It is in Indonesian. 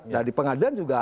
nah di pengadilan juga